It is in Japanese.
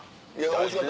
おいしかった